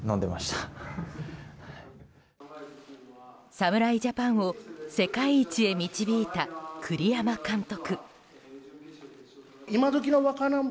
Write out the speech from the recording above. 侍ジャパンを世界一へ導いた栗山監督。